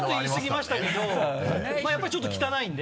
まぁやっぱりちょっと汚いんで。